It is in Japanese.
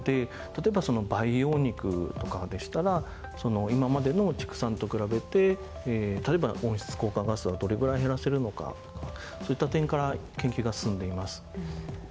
例えば培養肉とかでしたら今までの畜産と比べて例えば温室効果ガスはどれぐらい減らせるのかそういった点から研究が進んでいます。